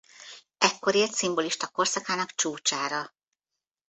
Ekkor ért szimbolista korszakának csúcsára.